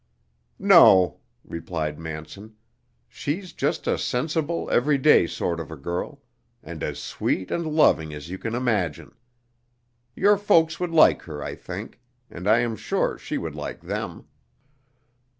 "No," replied Manson, "she's just a sensible, everyday sort of a girl, and as sweet and loving as you can imagine. Your folks would like her, I think, and I am sure she would like them."